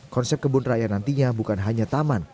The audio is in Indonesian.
konsep kebun raya nantinya bukan hanya taman